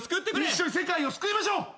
一緒に世界を救いましょう！